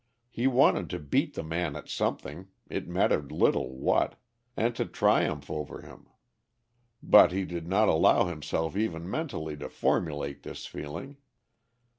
He wanted to beat the man at something, it mattered little what, and to triumph over him. But he did not allow himself even mentally to formulate this feeling.